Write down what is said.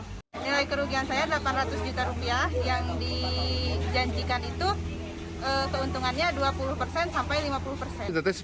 nilai kerugian saya delapan ratus juta rupiah yang dijanjikan itu keuntungannya dua puluh persen sampai lima puluh persen